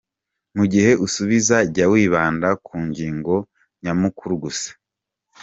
Mu gihe usubiza jya wibanda ku ngingo nyamukuru gusa .